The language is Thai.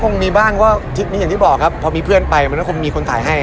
คงมีบ้างก็ทริปนี้อย่างที่บอกครับพอมีเพื่อนไปมันก็คงมีคนถ่ายให้